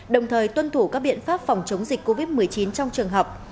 đồng thời tuân thủ các biện pháp phòng chống dịch covid một mươi chín trong trường học